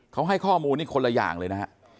เขาให้ข้อมูลนี่คนละอย่างเลยนะฮะ